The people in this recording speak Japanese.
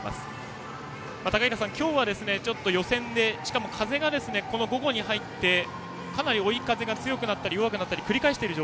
高平さん、今日は予選でしかも風が午後に入ってかなり追い風が強くなったり弱くなったりを繰り返しています。